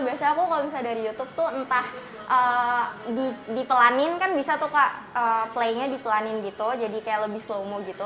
biasanya aku kalau misalnya dari youtube tuh entah dipelanin kan bisa tuh kak play nya dipelanin gitu jadi kayak lebih slow mo gitu